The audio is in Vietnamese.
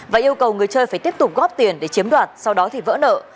và yêu cầu người chơi phải tiếp tục góp tiền để chiếm đoạt sau đó thì vỡ nợ